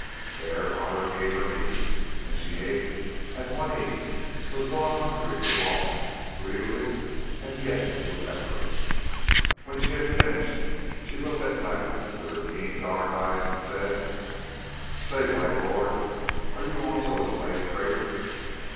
There Otter gave her meat, and she ate as one eats who has gone hungry for long, greedily and yet with effort. When she had finished she looked at Leonard with her keen dark eyes and said: "Say, White Lord, are you also a slave trader?"